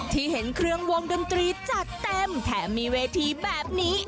ที่เห็นเครื่องวงดนตรีจัดเต็มแถมมีเวทีแบบนี้